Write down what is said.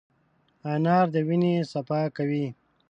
انار د وینې صفا کوي.